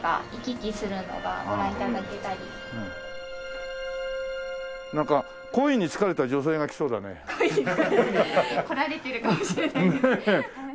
来られてるかもしれないです。